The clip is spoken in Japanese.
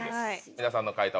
皆さんの解答